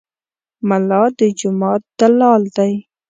ملا د جومات دلال دی.